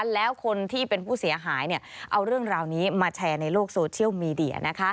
แล้วคนที่เป็นผู้เสียหายเอาเรื่องราวนี้มาแชร์ในโลกโซเชียลมีเดีย